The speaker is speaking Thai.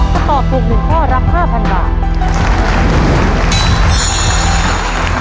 ถ้าตอบถูกหนึ่งข้อลักษณ์ห้าพันบาท